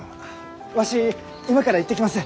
わし今から行ってきます。